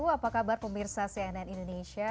apa kabar pemirsa cnn indonesia